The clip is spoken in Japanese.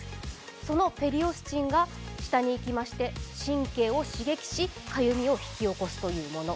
そのペリオスチンが神経を刺激し、かゆみを引き起こすというもの。